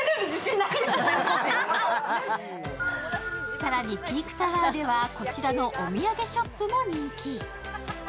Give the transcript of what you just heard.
更にピークタワーではこちらのお土産ショップも人気。